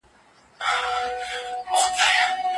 نښې یې د ملاریا او سترې تبې سره ورته والی لري.